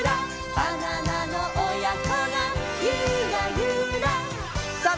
「バナナのおやこがユラユラ」さあ